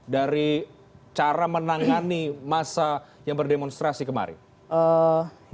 dari cara menangani masa yang berdemonstrasi kemarin